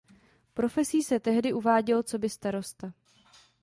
Profesí se tehdy uváděl coby starosta.